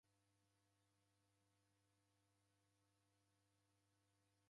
Dadajha kidambua-momu saa iw'i.